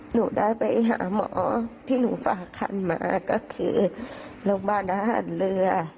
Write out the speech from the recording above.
หนูได้ไปหาหมอที่หนูฝากคันมาก็คือโรงพยาบาลทหารเรือ